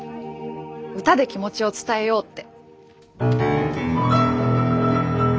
歌で気持ちを伝えようって。